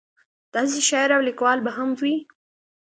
داسې شاعر او لیکوال به هم وي.